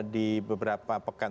di beberapa pekan